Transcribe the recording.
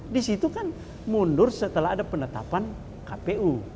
di situ kan mundur setelah ada penetapan kpu